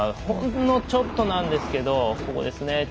ほんのちょっとなんですけど、ここですね。